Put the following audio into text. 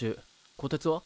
こてつは？